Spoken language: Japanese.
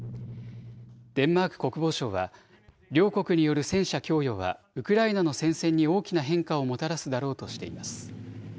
デンマーク国防省は、両国による戦車供与はウクライナの戦線に大きな変化をもたらすだろうとしています。